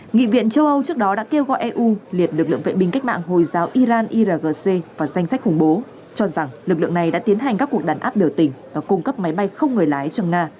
nghị viện châu âu trước đó đã kêu gọi eu liệt lực lượng vệ binh cách mạng hồi giáo iran irgc vào danh sách khủng bố cho rằng lực lượng này đã tiến hành các cuộc đàn áp biểu tình và cung cấp máy bay không người lái cho nga